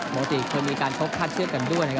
บางทีควรมีการชกพัดเชื้อกันด้วย